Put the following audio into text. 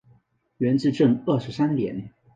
元至正二十三年。